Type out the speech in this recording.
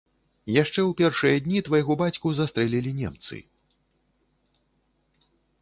Яшчэ ў першыя дні твайго бацьку застрэлілі немцы.